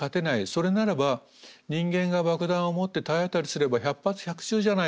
それならば人間が爆弾を持って体当たりすれば百発百中じゃないかと。